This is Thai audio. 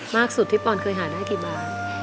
สุดที่ปอนเคยหาได้กี่บาท